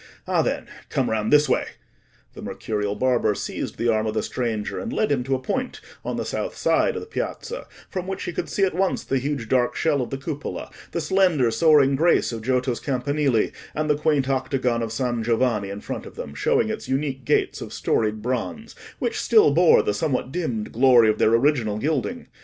Ah, then, come round this way." The mercurial barber seized the arm of the stranger, and led him to a point, on the south side of the piazza, from which he could see at once the huge dark shell of the cupola, the slender soaring grace of Giotto's campanile, and the quaint octagon of San Giovanni in front of them, showing its unique gates of storied bronze, which still bore the somewhat dimmed glory of their original gilding.